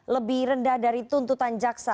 lebih rendah dari tuntutan jaksa